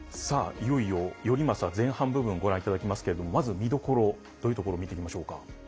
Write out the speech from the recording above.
いよいよ「頼政」前半部分ご覧いただきますけれどもまず見どころどういうところ見ていきましょうか。